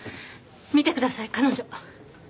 見てください彼女。